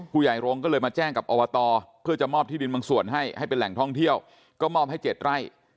ผู้ใหญ่โรงก็เลยมาแจ้งกับอบตเพื่อจะมอบที่ดินบางส่วนให้ให้เป็นแหล่งท่องเที่ยวก็มอบให้๗ไร่